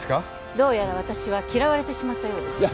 どうやら私は嫌われてしまったようですいや